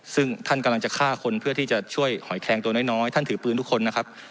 ซึ่งท่านกำลังจะฆ่าคนเพื่อที่จะช่วยหอยแคลงตัวน้อยท่านถือปืนทุกคนนะครับ